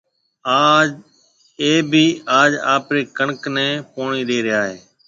اَي ڀِي آج آپرِي ڪڻڪ نَي پوڻِي ڏيَ ريا هيَ۔